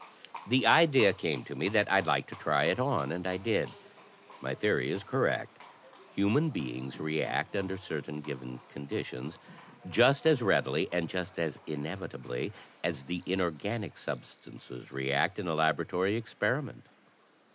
"The idea came to me that I'd like to try it on, and I did. My theory is correct. Htiman beings react under certain given con ditions just as readily, and just as inevitably, as the inorganic sub stances react in a laboratory experiment."